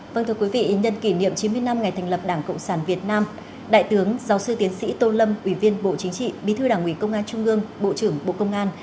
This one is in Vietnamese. vâng thưa quý vị nhân kỷ niệm chín mươi năm ngày thành lập đảng cộng sản việt nam đại tướng giáo sư tiến sĩ tô lâm ủy viên bộ chính trị bí thư đảng ủy công an trung ương bộ trưởng bộ công an